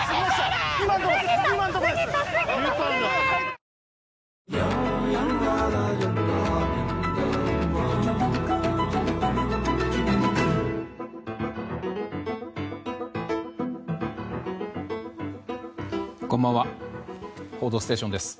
「報道ステーション」です。